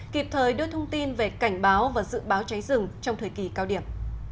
kịp thời đưa thông tin về cảnh báo và dự báo cháy rừng trong thời kỳ cao điểm